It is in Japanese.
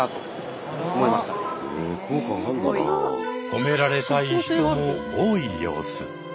褒められたい人も多い様子。